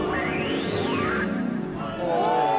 お。